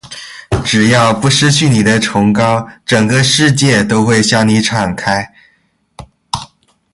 只要不失去你的崇高，整个世界都会向你敞开。